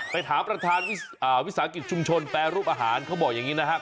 ถามประธานวิสาหกิจชุมชนแปรรูปอาหารเขาบอกอย่างนี้นะครับ